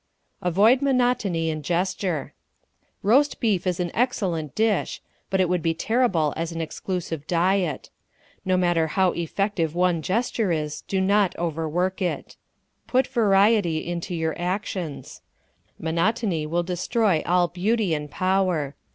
Avoid Monotony in Gesture Roast beef is an excellent dish, but it would be terrible as an exclusive diet. No matter how effective one gesture is, do not overwork it. Put variety in your actions. Monotony will destroy all beauty and power.